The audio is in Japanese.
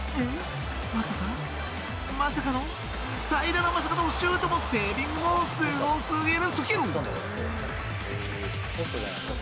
まさかまさかのシュートのセービングもすごすぎる！